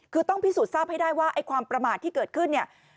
คือต้องพิสูจน์ทราบให้ได้ว่าไอ้ความประมาทที่เกิดขึ้นเนี่ย